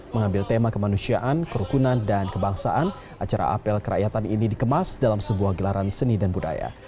mengambil tema kemanusiaan kerukunan dan kebangsaan acara apel kerakyatan ini dikemas dalam sebuah gelaran seni dan budaya